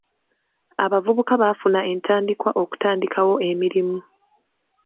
Abavubuka baafuna entandikwa okutandikawo emirimu